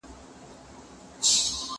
ايا ته کتابتون ته ځې.